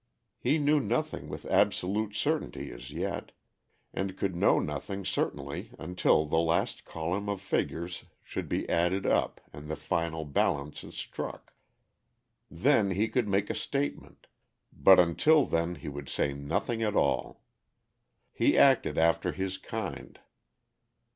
He knew nothing with absolute certainty as yet, and could know nothing certainly until the last column of figures should be added up and the final balances struck. Then he could make a statement, but until then he would say nothing at all. He acted after his kind.